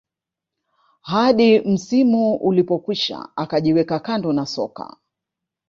hadi msimu ulipokwisha akajiweka kando na soka